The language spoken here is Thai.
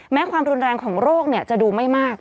ความรุนแรงของโรคจะดูไม่มาก